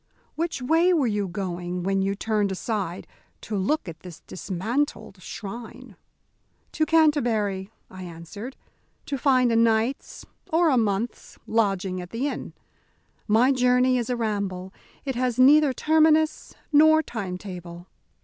Which way were you going when you turned aside to look at this dismantled shrine?" "To Canterbury," I answered, "to find a night's, or a month's, lodging at the inn. My journey is a ramble, it has neither terminus nor time table."